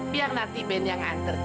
biar nanti ben yang antar je